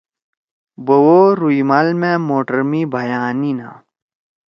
بوَو رُئمال مأ موٹر می بھئیانیِنا